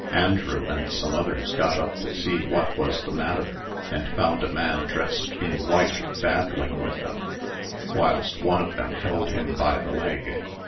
Andrew and some others got up to see what was the matter, and found a man dressed in white battling with them, whilst one of them held him by the leg.